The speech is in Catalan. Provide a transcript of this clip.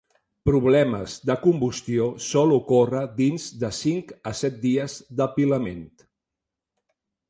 Problemes de combustió sol ocórrer dins de cinc a set dies d'apilament.